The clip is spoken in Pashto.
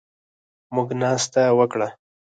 موږ ناسته وکړه